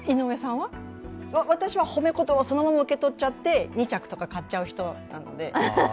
私は褒め言葉、そのまま受け止めちゃって、２着とか買っちゃう方なので。